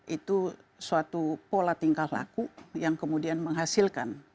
itu suatu pola tingkah laku yang kemudian menghasilkan